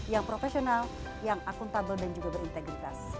yang profesional yang akuntabel dan juga berintegritas